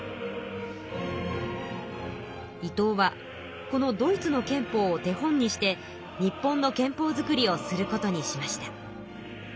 伊藤はこのドイツの憲法を手本にして日本の憲法作りをすることにしました。